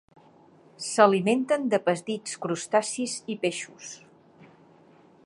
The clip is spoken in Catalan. S'alimenten de petits crustacis i peixos.